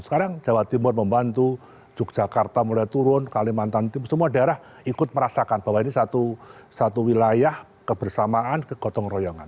sekarang jawa timur membantu yogyakarta mulai turun kalimantan timur semua daerah ikut merasakan bahwa ini satu wilayah kebersamaan kegotong royongan